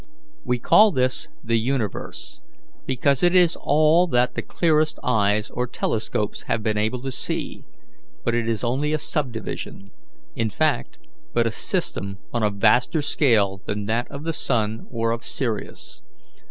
"We call this the universe because it is all that the clearest eyes or telescopes have been able to see, but it is only a subdivision in fact, but a system on a vaster scale than that of the sun or of Sirius.